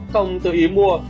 không tự ý mua